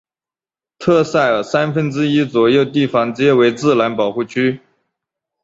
特塞尔三分之一左右地方皆为自然保护区。